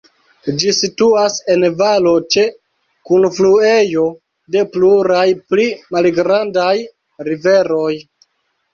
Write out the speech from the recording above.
Ĝi situas en valo ĉe kunfluejo de pluraj pli malgrandaj riveroj.